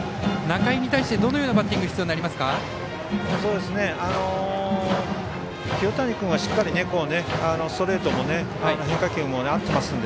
仲井に対してどのようなバッティングが必要になりますか。